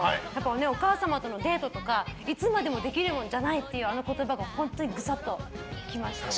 お母様とのデートとかいつまでもできるものじゃないというあの言葉がグサッと来ましたね。